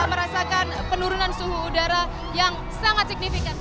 merasakan penurunan suhu udara yang sangat signifikan